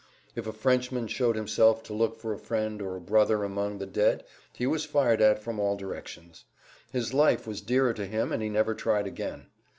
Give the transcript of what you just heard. If a Frenchman showed himself to look for a friend or a brother among the dead he was fired at from all directions. His life was dearer to him and he never tried again.